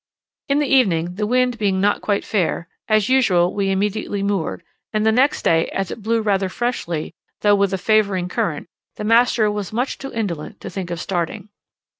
In the evening, the wind being not quite fair, as usual we immediately moored, and the next day, as it blew rather freshly, though with a favouring current, the master was much too indolent to think of starting.